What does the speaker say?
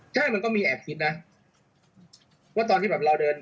ใช่มันก็มีแอบคิดนะ